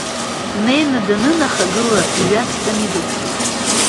Днеин данынахагыла, иҩаҵҟьаны идәықәлт.